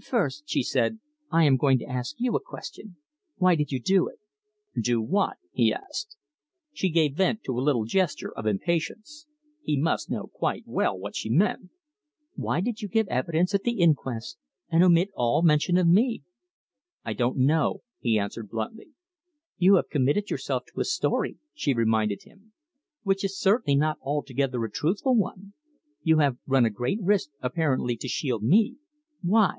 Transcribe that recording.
"First," she said, "I am going to ask you a question. Why did you do it?" "Do what?" he asked. She gave vent to a little gesture of impatience. He must know quite well what she meant. "Why did you give evidence at the inquest and omit all mention of me?" "I don't know," he answered bluntly. "You have committed yourself to a story," she reminded him, "which is certainly not altogether a truthful one. You have run a great risk, apparently to shield me. Why?"